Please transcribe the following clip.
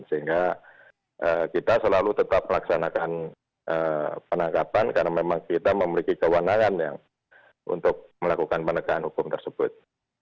sehingga kita selalu tetap melaksanakan penangkapan karena memang kita memiliki kewenangan yang untuk melakukan penegakan hukum tersebut